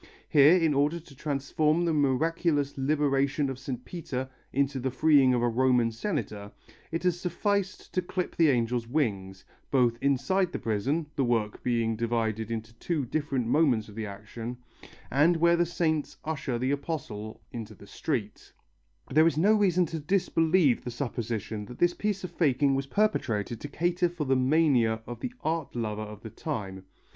Here in order to transform the miraculous liberation of Saint Peter into the freeing of a Roman senator it has sufficed to clip the angel's wings, both inside the prison the work being divided into two different moments of the action and where the saints usher the apostle into the street. [Illustration: Photo: Alinari MARSYAS An excellent work by Pollajolo after the antique.] There is no reason to disbelieve the supposition that this piece of faking was perpetrated to cater for the mania of the art lover of the time.